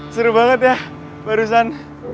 seru banget ya barusan